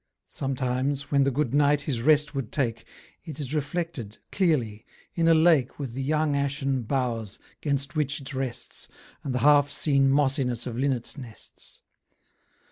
Sometimes, when the good Knight his rest would take, It is reflected, clearly, in a lake, With the young ashen boughs, 'gainst which it rests, And th' half seen mossiness of linnets' nests.